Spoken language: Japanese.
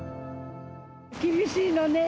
厳しいのね。